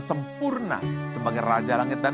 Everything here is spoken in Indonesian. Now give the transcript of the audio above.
sempurna sebagai raja langit dan